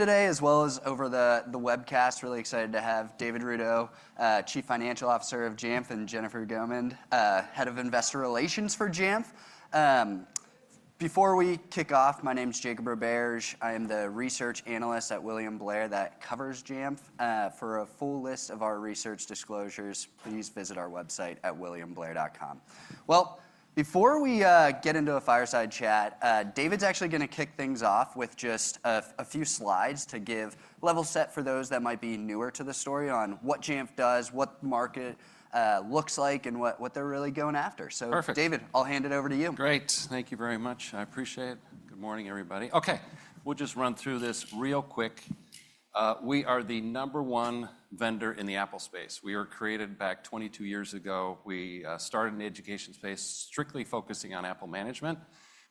Today, as well as over the webcast, really excited to have David Rudow, Chief Financial Officer of Jamf, and Jennifer Gaumond, Head of Investor Relations for Jamf. Before we kick off, my name is Jacob Roberge. I am the research analyst at William Blair that covers Jamf. For a full list of our research disclosures, please visit our website at williamblair.com. Before we get into a fireside chat, David's actually going to kick things off with just a few slides to give level set for those that might be newer to the story on what Jamf does, what the market looks like, and what they're really going after. Perfect. David, I'll hand it over to you. Great. Thank you very much. I appreciate it. Good morning, everybody. OK, we'll just run through this real quick. We are the number one vendor in the Apple space. We were created back 22 years ago. We started in the education space, strictly focusing on Apple management.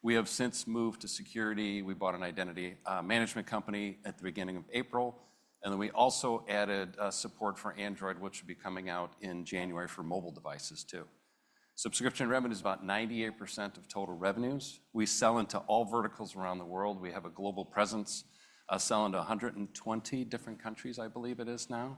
We have since moved to security. We bought an identity management company at the beginning of April. And then we also added support for Android, which will be coming out in January for mobile devices, too. Subscription revenue is about 98% of total revenues. We sell into all verticals around the world. We have a global presence, selling to 120 different countries, I believe it is now.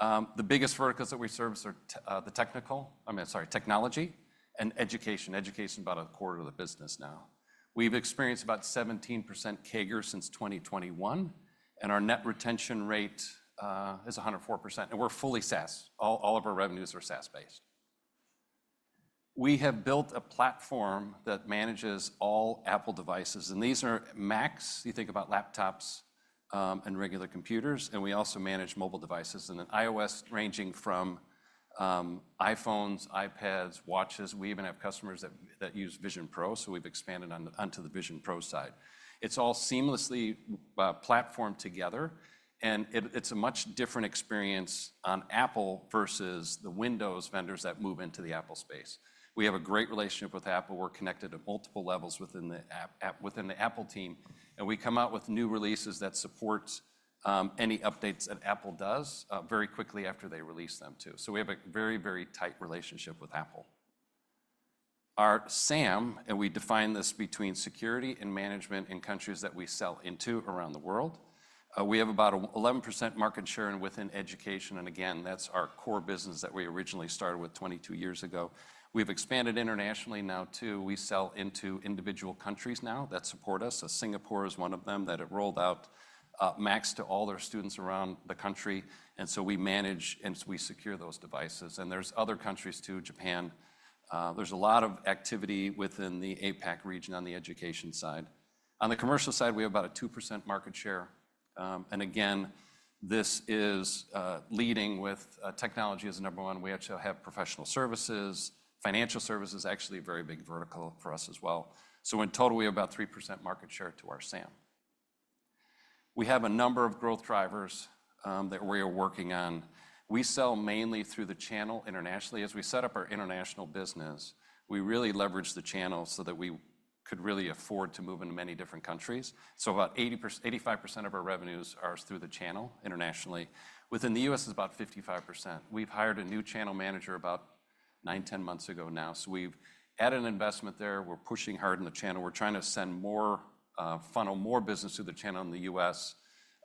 The biggest verticals that we service are the technical--I mean, sorry, technology and education. Education is about a quarter of the business now. We've experienced about 17% CAGR since 2021. Our net retention rate is 104%. We are fully SaaS. All of our revenues are SaaS-based. We have built a platform that manages all Apple devices. These are Macs. You think about laptops and regular computers. We also manage mobile devices and iOS, ranging from iPhones, iPads, watches. We even have customers that use Vision Pro. We have expanded onto the Vision Pro side. It is all seamlessly platformed together. It is a much different experience on Apple versus the Windows vendors that move into the Apple space. We have a great relationship with Apple. We are connected at multiple levels within the Apple team. We come out with new releases that support any updates that Apple does very quickly after they release them, too. We have a very, very tight relationship with Apple. Our SAM, and we define this between security and management in countries that we sell into around the world. We have about an 11% market share within education. And again, that's our core business that we originally started with 22 years ago. We've expanded internationally now, too. We sell into individual countries now that support us. Singapore is one of them that it rolled out Macs to all their students around the country. We manage and we secure those devices. There's other countries, too, Japan. There's a lot of activity within the APAC region on the education side. On the commercial side, we have about a 2% market share. And again, this is leading with technology as number one. We actually have professional services. Financial services is actually a very big vertical for us as well. In total, we have about 3% market share to our SAM. We have a number of growth drivers that we are working on. We sell mainly through the channel internationally. As we set up our international business, we really leveraged the channel so that we could really afford to move into many different countries. About 85% of our revenues are through the channel internationally. Within the U.S., it's about 55%. We've hired a new channel manager about nine, ten months ago now. We've added an investment there. We're pushing hard in the channel. We're trying to funnel more business through the channel in the U.S.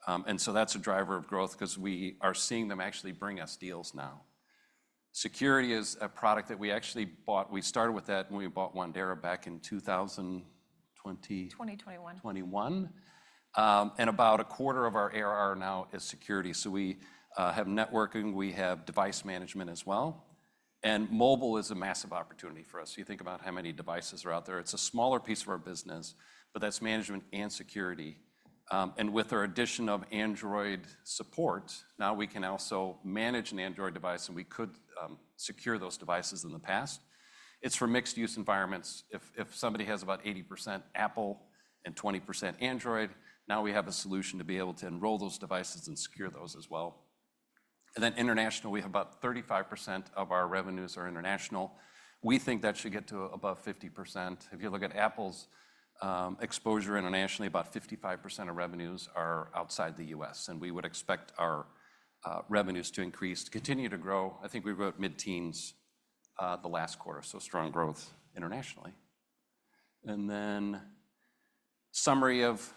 That is a driver of growth because we are seeing them actually bring us deals now. Security is a product that we actually bought. We started with that when we bought Wandera back in 2020. 2021. 2021. About a quarter of our ARR now is security. We have networking. We have device management as well. Mobile is a massive opportunity for us. You think about how many devices are out there. It's a smaller piece of our business, but that's management and security. With our addition of Android support, now we can also manage an Android device. We could secure those devices in the past. It's for mixed-use environments. If somebody has about 80% Apple and 20% Android, now we have a solution to be able to enroll those devices and secure those as well. Internationally, we have about 35% of our revenues are international. We think that should get to above 50%. If you look at Apple's exposure internationally, about 55% of revenues are outside the U.S. We would expect our revenues to increase, continue to grow. I think we were at mid-teens the last quarter. Strong growth internationally. Summary of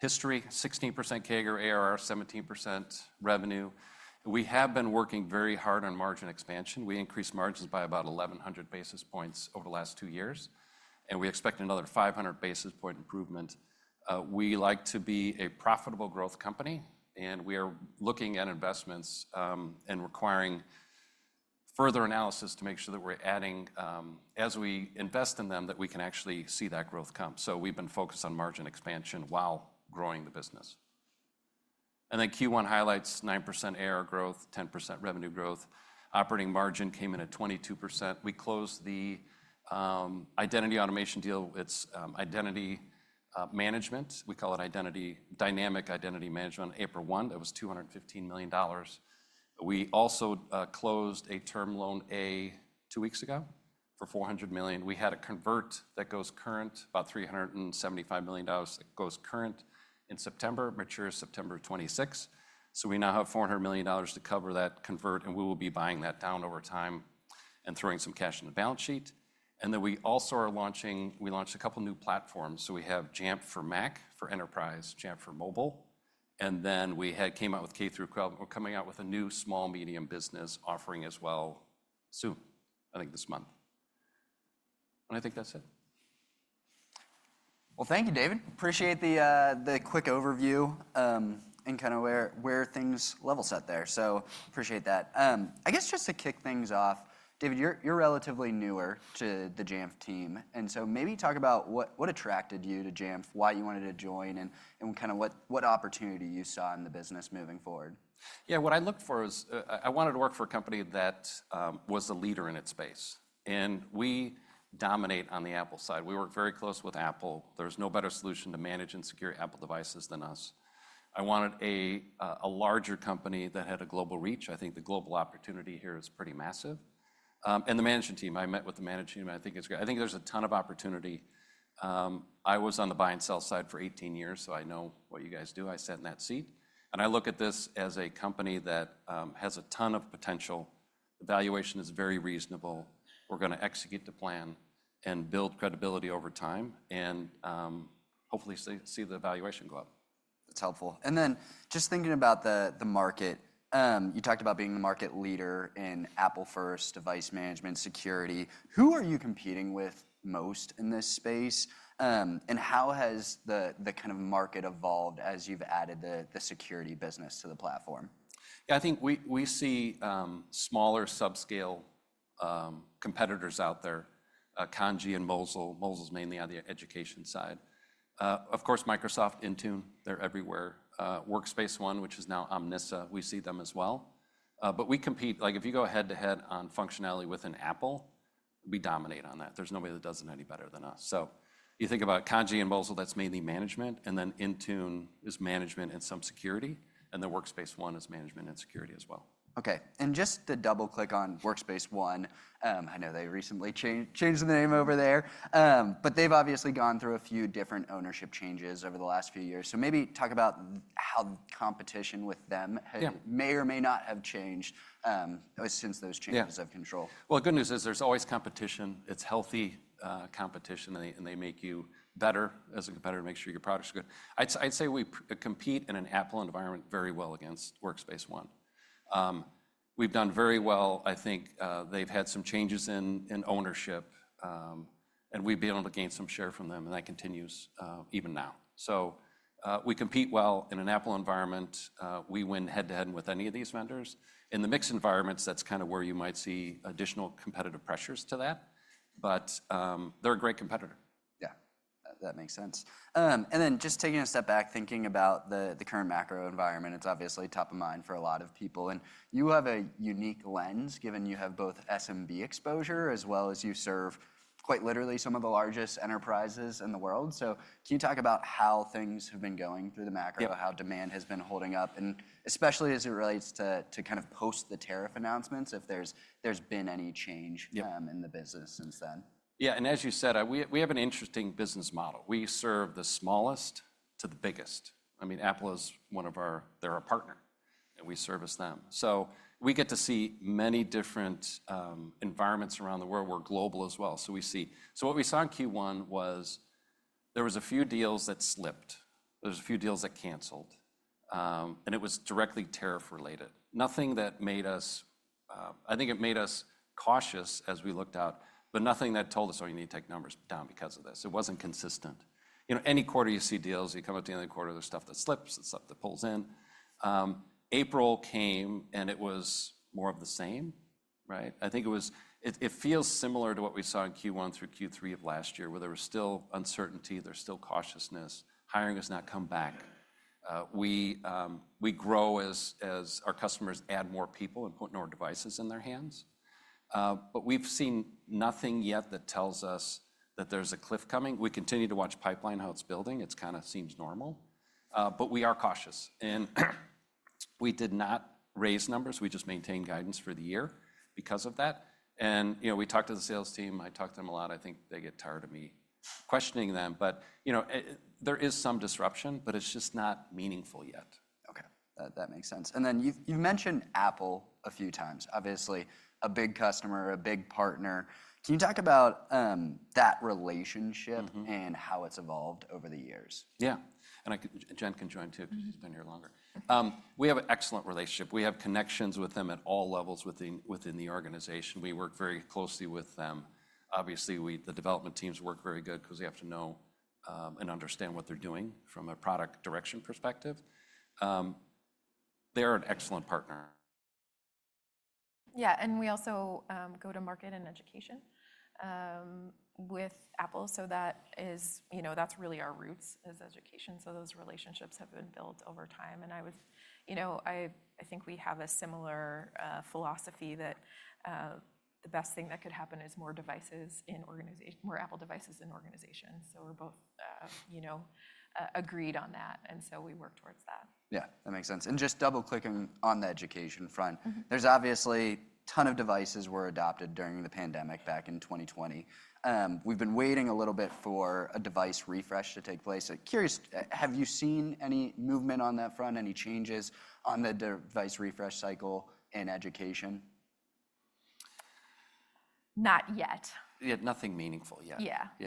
history: 16% CAGR, ARR, 17% revenue. We have been working very hard on margin expansion. We increased margins by about 1,100 basis points over the last two years. We expect another 500 basis point improvement. We like to be a profitable growth company. We are looking at investments and requiring further analysis to make sure that we're adding, as we invest in them, that we can actually see that growth come. We have been focused on margin expansion while growing the business. Q1 highlights: 9% ARR growth, 10% revenue growth. Operating margin came in at 22%. We closed the Identity Automation deal. It's identity management. We call it dynamic identity management. April 1, it was $215 million. We also closed a Term Loan A two weeks ago for $400 million. We had a convert that goes current, about $375 million that goes current in September, matures September 2026. We now have $400 million to cover that convert. We will be buying that down over time and throwing some cash in the balance sheet. We also are launching—we launched a couple of new platforms. We have Jamf for Mac, for enterprise, Jamf for Mobile. We came out with K through 12. We are coming out with a new small-medium business offering as well soon, I think this month. I think that's it. Thank you, David. Appreciate the quick overview and kind of where things level set there. Appreciate that. I guess just to kick things off, David, you're relatively newer to the Jamf team. Maybe talk about what attracted you to Jamf, why you wanted to join, and kind of what opportunity you saw in the business moving forward. Yeah, what I looked for is I wanted to work for a company that was a leader in its space. We dominate on the Apple side. We work very close with Apple. There's no better solution to manage and secure Apple devices than us. I wanted a larger company that had a global reach. I think the global opportunity here is pretty massive. The management team, I met with the management team. I think it's great. I think there's a ton of opportunity. I was on the buy and sell side for 18 years. I know what you guys do. I sat in that seat. I look at this as a company that has a ton of potential. The valuation is very reasonable. We're going to execute the plan and build credibility over time and hopefully see the valuation go up. That's helpful. Just thinking about the market, you talked about being the market leader in Apple First, device management, security. Who are you competing with most in this space? How has the kind of market evolved as you've added the security business to the platform? Yeah, I think we see smaller subscale competitors out there, Kandji and Mosyle. Mosyle is mainly on the education side. Of course, Microsoft Intune, they're everywhere. Workspace ONE, which is now Omnissa, we see them as well. We compete. Like if you go head-to-head on functionality with an Apple, we dominate on that. There's nobody that does it any better than us. You think about Kandji and Mosyle, that's mainly management. Intune is management and some security. Workspace ONE is management and security as well. OK. And just to double-click on Workspace ONE, I know they recently changed the name over there. But they've obviously gone through a few different ownership changes over the last few years. So maybe talk about how competition with them may or may not have changed since those changes of control. The good news is there's always competition. It's healthy competition. They make you better as a competitor to make sure your products are good. I'd say we compete in an Apple environment very well against Workspace ONE. We've done very well. I think they've had some changes in ownership. We've been able to gain some share from them. That continues even now. We compete well in an Apple environment. We win head-to-head with any of these vendors. In the mixed environments, that's kind of where you might see additional competitive pressures to that. They're a great competitor. Yeah, that makes sense. Just taking a step back, thinking about the current macro environment, it's obviously top of mind for a lot of people. You have a unique lens, given you have both SMB exposure as well as you serve quite literally some of the largest enterprises in the world. Can you talk about how things have been going through the macro, how demand has been holding up, and especially as it relates to kind of post the tariff announcements, if there's been any change in the business since then? Yeah. As you said, we have an interesting business model. We serve the smallest to the biggest. I mean, Apple is one of our—they're our partner. I mean, we service them. We get to see many different environments around the world. We're global as well. What we saw in Q1 was there were a few deals that slipped. There were a few deals that canceled. It was directly tariff-related. Nothing that made us—I think it made us cautious as we looked out. Nothing that told us, oh, you need to take numbers down because of this. It was not consistent. Any quarter you see deals, you come up to the end of the quarter, there's stuff that slips, there's stuff that pulls in. April came, and it was more of the same. I think it was—it feels similar to what we saw in Q1 through Q3 of last year, where there was still uncertainty. There is still cautiousness. Hiring has not come back. We grow as our customers add more people and put more devices in their hands. We have seen nothing yet that tells us that there is a cliff coming. We continue to watch pipeline, how it is building. It kind of seems normal. We are cautious. We did not raise numbers. We just maintained guidance for the year because of that. We talked to the sales team. I talk to them a lot. I think they get tired of me questioning them. There is some disruption. It is just not meaningful yet. OK. That makes sense. You have mentioned Apple a few times. Obviously, a big customer, a big partner. Can you talk about that relationship and how it has evolved over the years? Yeah. Jen can join, too, because she's been here longer. We have an excellent relationship. We have connections with them at all levels within the organization. We work very closely with them. Obviously, the development teams work very well because they have to know and understand what they're doing from a product direction perspective. They're an excellent partner. Yeah. We also go to market in education with Apple. That is really our roots, is education. Those relationships have been built over time. I think we have a similar philosophy that the best thing that could happen is more devices in organizations, more Apple devices in organizations. We are both agreed on that, and we work towards that. Yeah, that makes sense. Just double-clicking on the education front, there's obviously a ton of devices were adopted during the pandemic back in 2020. We've been waiting a little bit for a device refresh to take place. Curious, have you seen any movement on that front, any changes on the device refresh cycle in education? Not yet. Yeah, nothing meaningful yet. Yeah. I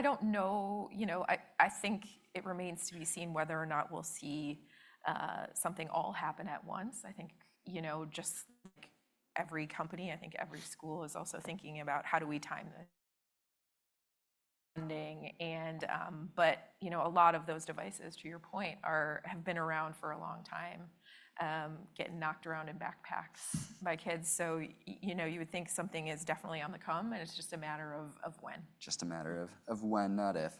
do not know. I think it remains to be seen whether or not we will see something all happen at once. I think just every company, I think every school is also thinking about how do we time the funding. A lot of those devices, to your point, have been around for a long time, getting knocked around in backpacks by kids. You would think something is definitely on the come. It is just a matter of when. Just a matter of when, not if.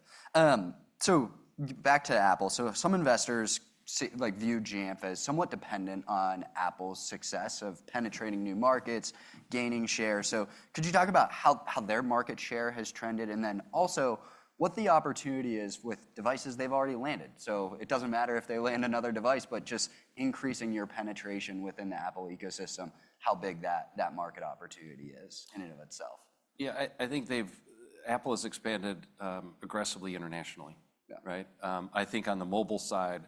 Back to Apple. Some investors view Jamf as somewhat dependent on Apple's success of penetrating new markets, gaining shares. Could you talk about how their market share has trended? Also, what the opportunity is with devices they've already landed? It does not matter if they land another device, but just increasing your penetration within the Apple ecosystem, how big that market opportunity is in and of itself. Yeah. I think Apple has expanded aggressively internationally. I think on the mobile side,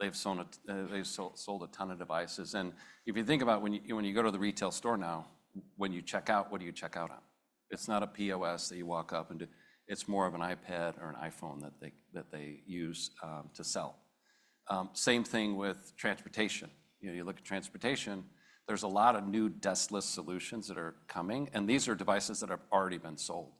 they've sold a ton of devices. If you think about when you go to the retail store now, when you check out, what do you check out on? It is not a POS that you walk up and do. It is more of an iPad or an iPhone that they use to sell. Same thing with transportation. You look at transportation, there's a lot of new deskless solutions that are coming. These are devices that have already been sold.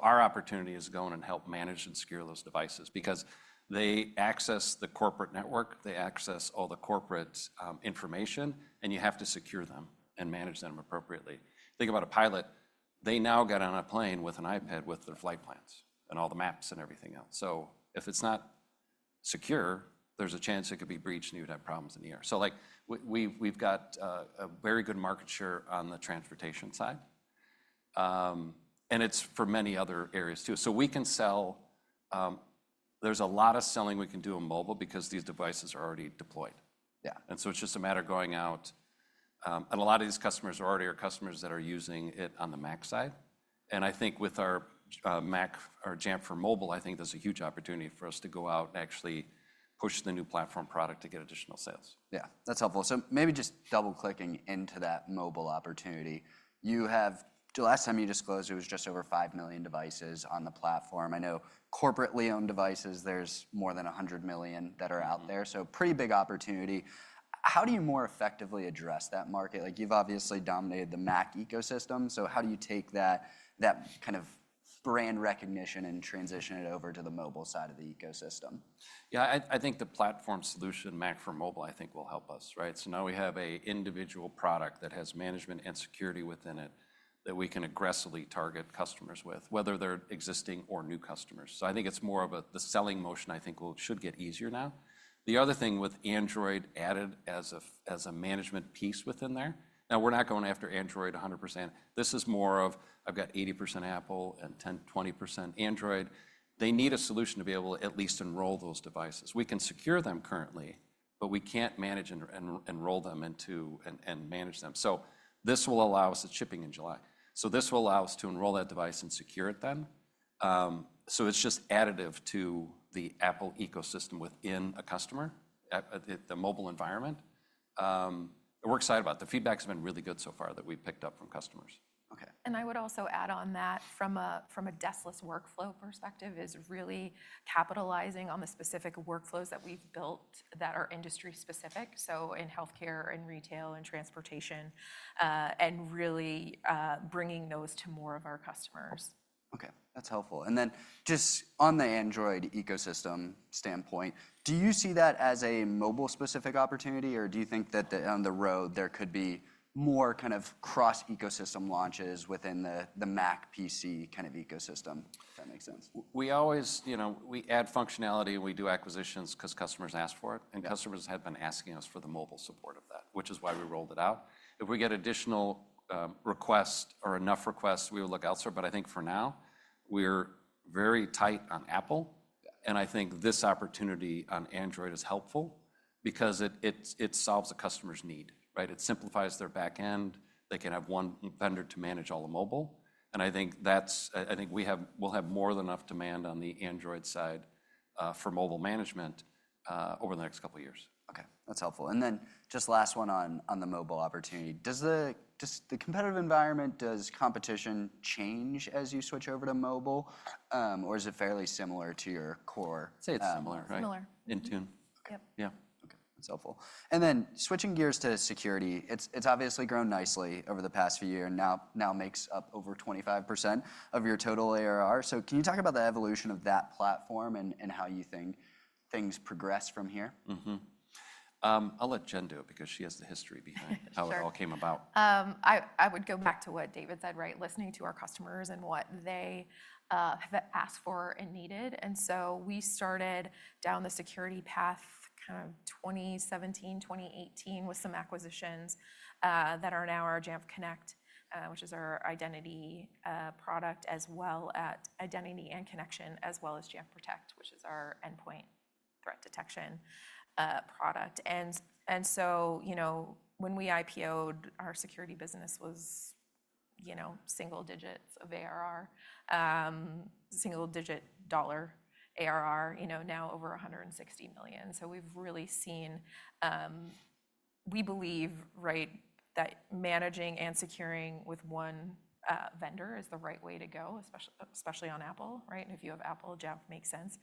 Our opportunity is going and help manage and secure those devices because they access the corporate network. They access all the corporate information. You have to secure them and manage them appropriately. Think about a pilot. They now got on a plane with an iPad with their flight plans and all the maps and everything else. If it's not secure, there's a chance it could be breached and you would have problems in the air. We've got a very good market share on the transportation side. It's for many other areas, too. We can sell—there's a lot of selling we can do on mobile because these devices are already deployed. Yeah, it's just a matter of going out. A lot of these customers already are customers that are using it on the Mac side. I think with our Mac or Jamf for Mobile, I think there's a huge opportunity for us to go out and actually push the new platform product to get additional sales. Yeah, that's helpful. Maybe just double-clicking into that mobile opportunity. The last time you disclosed, it was just over five million devices on the platform. I know corporately owned devices, there's more than 100 million that are out there. Pretty big opportunity. How do you more effectively address that market? You've obviously dominated the Mac ecosystem. How do you take that kind of brand recognition and transition it over to the mobile side of the ecosystem? Yeah, I think the platform solution, Mac for mobile, I think will help us. Now we have an individual product that has management and security within it that we can aggressively target customers with, whether they're existing or new customers. I think it's more of the selling motion, I think, should get easier now. The other thing with Android added as a management piece within there. Now, we're not going after Android 100%. This is more of I've got 80% Apple and 10%-20% Android. They need a solution to be able to at least enroll those devices. We can secure them currently, but we can't manage and enroll them into and manage them. This will allow us, it's shipping in July. This will allow us to enroll that device and secure it then. It's just additive to the Apple ecosystem within a customer, the mobile environment. We're excited about it. The feedback has been really good so far that we've picked up from customers. I would also add on that from a deskless workflow perspective, it's really capitalizing on the specific workflows that we've built that are industry specific. In health care and retail and transportation, and really bringing those to more of our customers. OK, that's helpful. And then just on the Android ecosystem standpoint, do you see that as a mobile-specific opportunity? Or do you think that on the road there could be more kind of cross-ecosystem launches within the Mac-PC kind of ecosystem, if that makes sense? We add functionality. We do acquisitions because customers ask for it. Customers have been asking us for the mobile support of that, which is why we rolled it out. If we get additional requests or enough requests, we will look elsewhere. I think for now, we're very tight on Apple. I think this opportunity on Android is helpful because it solves a customer's need. It simplifies their back end. They can have one vendor to manage all the mobile. I think we'll have more than enough demand on the Android side for mobile management over the next couple of years. OK, that's helpful. Just last one on the mobile opportunity. Does the competitive environment, does competition change as you switch over to mobile? Or is it fairly similar to your core? I'd say it's similar. Similar. Intune. Yeah. OK, that's helpful. Switching gears to security, it's obviously grown nicely over the past year. Now makes up over 25% of your total ARR. Can you talk about the evolution of that platform and how you think things progress from here? I'll let Jen do it because she has the history behind how it all came about. I would go back to what David said, right? Listening to our customers and what they have asked for and needed. We started down the security path kind of 2017, 2018 with some acquisitions that are now our Jamf Connect, which is our identity product, as well as identity and connection, as well as Jamf Protect, which is our endpoint threat detection product. When we IPO'd, our security business was single digits of ARR, single digit dollar ARR, now over $160 million. We have really seen, we believe that managing and securing with one vendor is the right way to go, especially on Apple. If you have Apple, Jamf makes sense.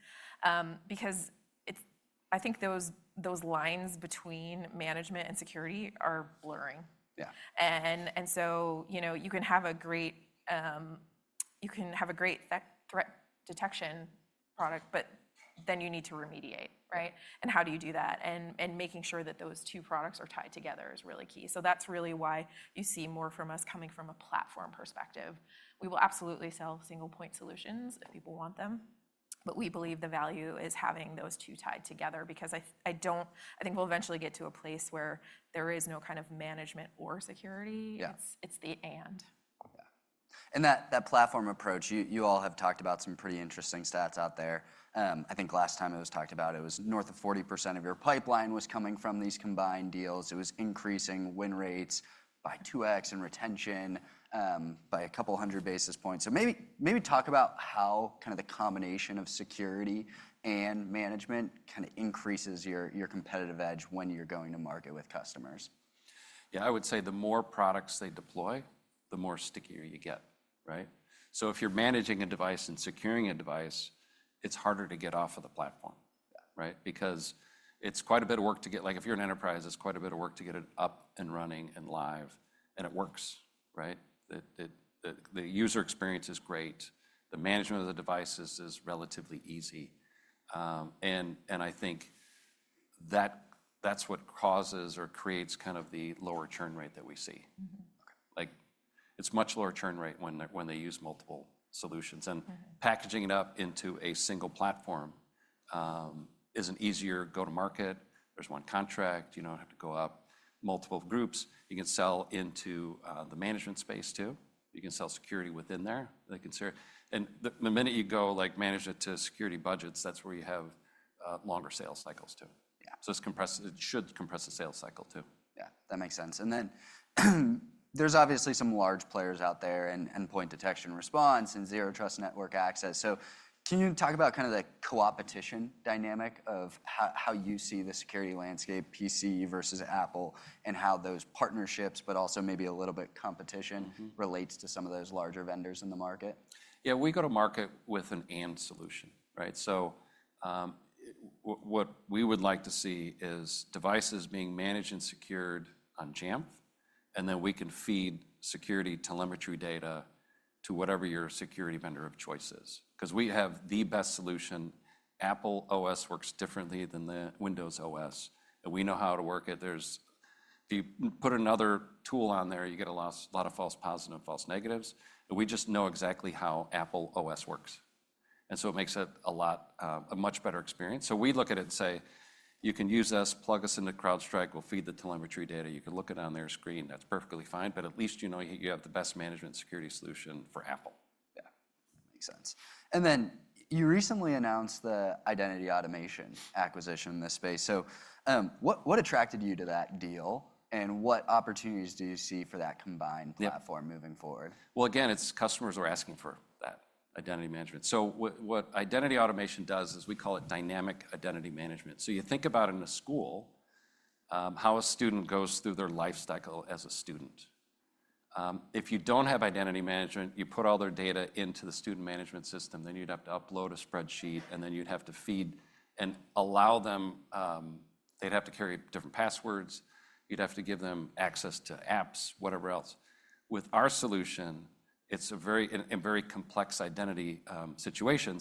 I think those lines between management and security are blurring. You can have a great threat detection product, but then you need to remediate. How do you do that? Making sure that those two products are tied together is really key. That is really why you see more from us coming from a platform perspective. We will absolutely sell single point solutions if people want them. We believe the value is having those two tied together because I think we will eventually get to a place where there is no kind of management or security. It is the and. Yeah. That platform approach, you all have talked about some pretty interesting stats out there. I think last time it was talked about, it was north of 40% of your pipeline was coming from these combined deals. It was increasing win rates by 2x and retention by a couple hundred basis points. Maybe talk about how kind of the combination of security and management kind of increases your competitive edge when you're going to market with customers. Yeah, I would say the more products they deploy, the more stickier you get. If you're managing a device and securing a device, it's harder to get off of the platform. Because it's quite a bit of work to get, like if you're an enterprise, it's quite a bit of work to get it up and running and live. It works. The user experience is great. The management of the devices is relatively easy. I think that's what causes or creates kind of the lower churn rate that we see. It's a much lower churn rate when they use multiple solutions. Packaging it up into a single platform is an easier go-to-market. There's one contract. You don't have to go up multiple groups. You can sell into the management space, too. You can sell security within there. The minute you go manage it to security budgets, that's where you have longer sales cycles, too. It should compress the sales cycle, too. Yeah, that makes sense. There are obviously some large players out there in endpoint detection response and zero trust network access. Can you talk about kind of the co-opetition dynamic of how you see the security landscape PC versus Apple and how those partnerships, but also maybe a little bit competition, relates to some of those larger vendors in the market? Yeah, we go to market with an and solution. What we would like to see is devices being managed and secured on Jamf. We can feed security telemetry data to whatever your security vendor of choice is. We have the best solution. Apple OS works differently than Windows OS, and we know how to work it. If you put another tool on there, you get a lot of false positives and false negatives. We just know exactly how Apple OS works, and it makes it a much better experience. We look at it and say, you can use us, plug us into CrowdStrike. We'll feed the telemetry data. You can look at it on their screen. That's perfectly fine. At least you have the best management security solution for Apple. Yeah, that makes sense. You recently announced the Identity Automation acquisition in this space. What attracted you to that deal? What opportunities do you see for that combined platform moving forward? It's customers who are asking for that identity management. What Identity Automation does is we call it dynamic identity management. You think about in a school how a student goes through their life cycle as a student. If you do not have identity management, you put all their data into the student management system. You would have to upload a spreadsheet. You would have to feed and allow them, they would have to carry different passwords. You would have to give them access to apps, whatever else. With our solution, it is a very complex identity situation.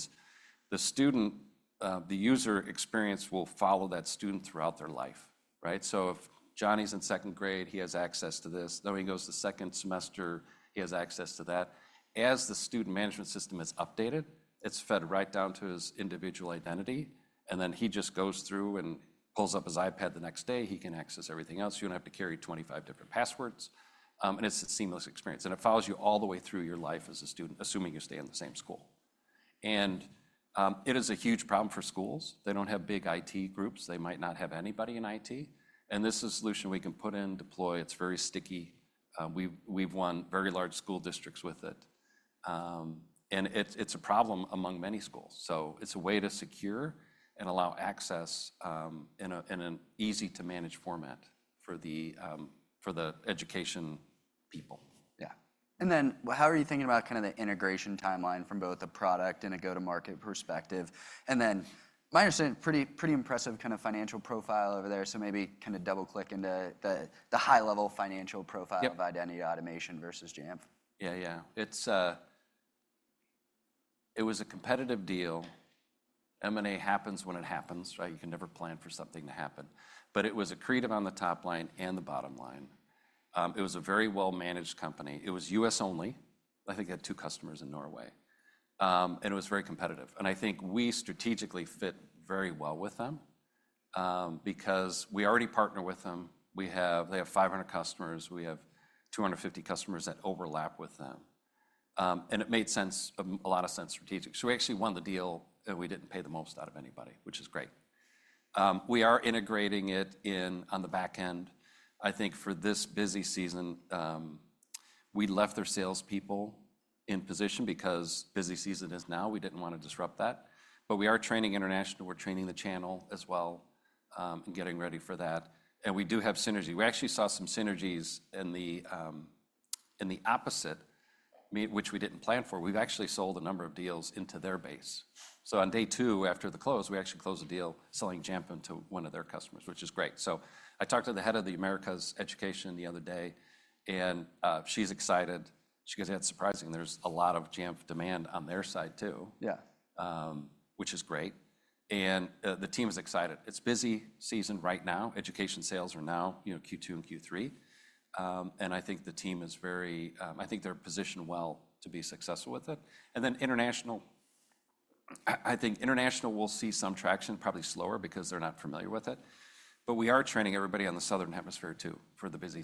The student, the user experience will follow that student throughout their life. If Johnny is in second grade, he has access to this. When he goes to second semester, he has access to that. As the student management system is updated, it is fed right down to his individual identity. He just goes through and pulls up his iPad the next day. He can access everything else. You do not have to carry 25 different passwords. It is a seamless experience. It follows you all the way through your life as a student, assuming you stay in the same school. It is a huge problem for schools. They do not have big IT groups. They might not have anybody in IT. This is a solution we can put in, deploy. It is very sticky. We have won very large school districts with it. It is a problem among many schools. It is a way to secure and allow access in an easy to manage format for the education people. Yeah. How are you thinking about kind of the integration timeline from both the product and a go-to-market perspective? My understanding, pretty impressive kind of financial profile over there. Maybe kind of double-click into the high-level financial profile of Identity Automation versus Jamf. Yeah, yeah. It was a competitive deal. M&A happens when it happens. You can never plan for something to happen. It was accretive on the top line and the bottom line. It was a very well-managed company. It was U.S. only. I think they had two customers in Norway. It was very competitive. I think we strategically fit very well with them because we already partner with them. They have 500 customers. We have 250 customers that overlap with them. It made a lot of sense strategically. We actually won the deal. We did not pay the most out of anybody, which is great. We are integrating it on the back end. I think for this busy season, we left our salespeople in position because busy season is now. We did not want to disrupt that. We are training international. We're training the channel as well and getting ready for that. We do have synergy. We actually saw some synergies in the opposite, which we didn't plan for. We've actually sold a number of deals into their base. On day two after the close, we actually closed a deal selling Jamf into one of their customers, which is great. I talked to the Head of the Americas Education the other day. She's excited. She goes, yeah, it's surprising. There's a lot of Jamf demand on their side, too, which is great. The team is excited. It's busy season right now. Education sales are now Q2 and Q3. I think the team is very, I think they're positioned well to be successful with it. International, I think international, we'll see some traction, probably slower because they're not familiar with it. We are training everybody on the southern hemisphere, too, for the busy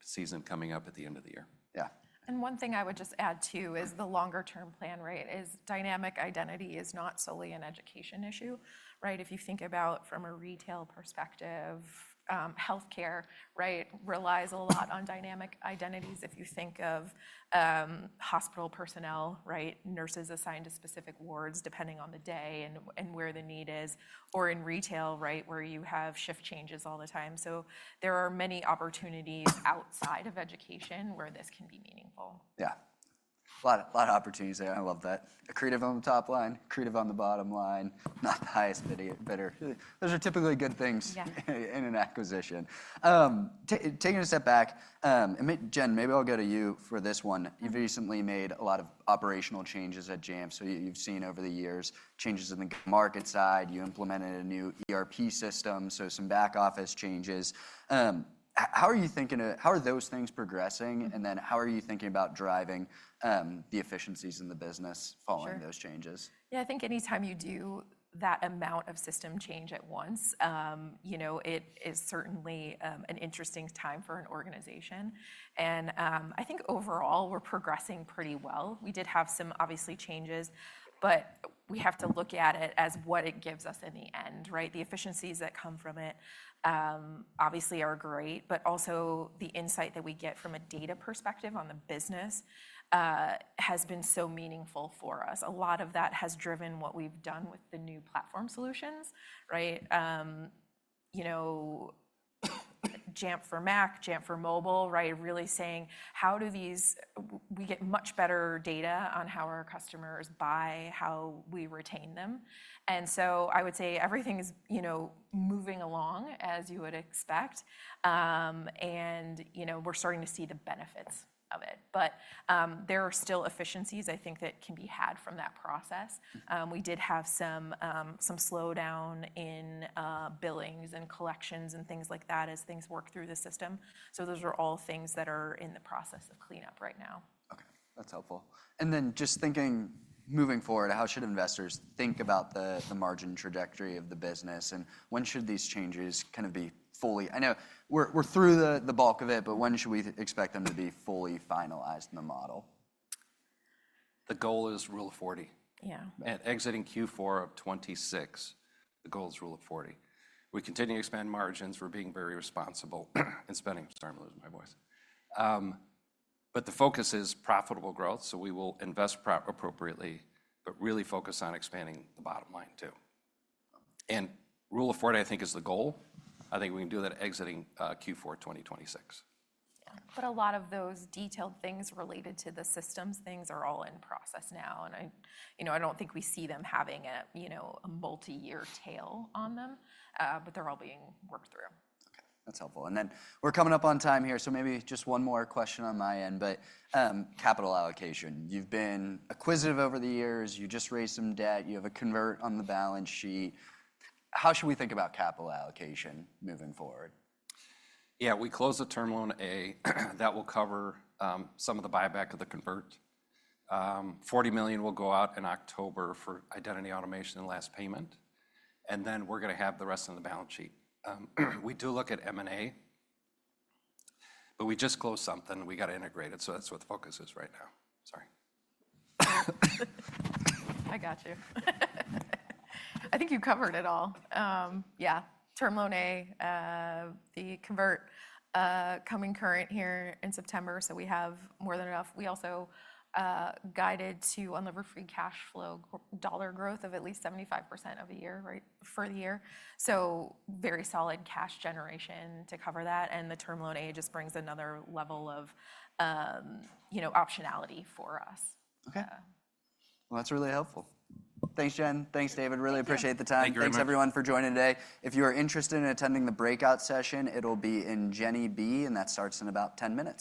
season coming up at the end of the year. Yeah. One thing I would just add, too, is the longer-term plan, right? Dynamic identity is not solely an education issue. If you think about from a retail perspective, health care relies a lot on dynamic identities. If you think of hospital personnel, nurses assigned to specific wards depending on the day and where the need is, or in retail where you have shift changes all the time. There are many opportunities outside of education where this can be meaningful. Yeah, a lot of opportunities there. I love that. Accretive on the top line, accretive on the bottom line, not the highest bidder. Those are typically good things in an acquisition. Taking a step back, Jen, maybe I'll go to you for this one. You've recently made a lot of operational changes at Jamf. You’ve seen over the years changes in the market side. You implemented a new ERP system, so some back office changes. How are you thinking, how are those things progressing? How are you thinking about driving the efficiencies in the business following those changes? Sure. Yeah, I think any time you do that amount of system change at once, it is certainly an interesting time for an organization. I think overall, we're progressing pretty well. We did have some, obviously, changes. We have to look at it as what it gives us in the end. The efficiencies that come from it, obviously, are great. Also the insight that we get from a data perspective on the business has been so meaningful for us. A lot of that has driven what we've done with the new platform solutions. Jamf for Mac, Jamf for Mobile, really saying, how do these, we get much better data on how our customers buy, how we retain them. I would say everything is moving along, as you would expect. We're starting to see the benefits of it. There are still efficiencies, I think, that can be had from that process. We did have some slowdown in billings and collections and things like that as things work through the system. Those are all things that are in the process of cleanup right now. OK, that's helpful. Just thinking moving forward, how should investors think about the margin trajectory of the business? When should these changes kind of be fully—I know we're through the bulk of it—when should we expect them to be fully finalized in the model? The goal is rule of 40. Yeah. exiting Q4 of 2026, the goal is rule of 40. We continue to expand margins. We're being very responsible in spending. Sorry, I'm losing my voice. The focus is profitable growth. We will invest appropriately, but really focus on expanding the bottom line, too. Rule of 40, I think, is the goal. I think we can do that exiting Q4 2026. Yeah, but a lot of those detailed things related to the systems things are all in process now. I don't think we see them having a multi-year tail on them. They're all being worked through. OK, that's helpful. We're coming up on time here, so maybe just one more question on my end. Capital allocation, you've been acquisitive over the years. You just raised some debt. You have a convert on the balance sheet. How should we think about capital allocation moving forward? Yeah, we closed a Term Loan A. That will cover some of the buyback of the convert. $40 million will go out in October for Identity Automation and last payment. We are going to have the rest on the balance sheet. We do look at M&A. We just closed something. We got to integrate it. That is what the focus is right now. Sorry. I got you. I think you covered it all. Yeah, Term Loan A, the convert coming current here in September. We have more than enough. We also guided to unlimited free cash flow dollar growth of at least 75% for the year. Very solid cash generation to cover that. The Term Loan A just brings another level of optionality for us. OK, that's really helpful. Thanks, Jen. Thanks, David. Really appreciate the time. Thanks, everyone, for joining today. If you are interested in attending the breakout session, it'll be in Jenny B. And that starts in about 10 minutes.